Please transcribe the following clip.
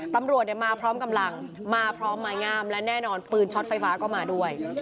ตำรวจมาพร้อมกำลังมาพร้อมไม้งามและแน่นอนปืนช็อตไฟฟ้าก็มาด้วย